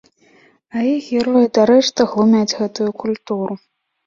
А іх героі дарэшты глумяць гэтую культуру.